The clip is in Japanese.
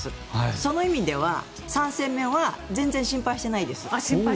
その意味では３戦目は全然心配していないです。